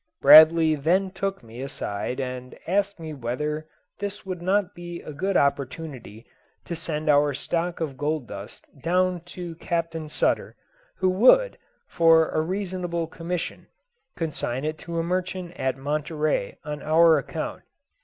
Bradley then took me aside and asked me whether this would not be a good opportunity to send our stock of gold dust down to Captain Sutter, who would, for a reasonable commission, consign it to a merchant at Monterey on our account.